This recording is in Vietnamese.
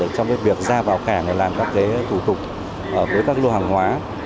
trong cái việc ra vào cảng để làm các cái thủ tục với các lưu hàng hóa